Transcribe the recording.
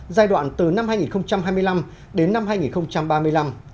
giai đoạn từ năm hai nghìn hai mươi năm đến năm hai nghìn ba mươi năm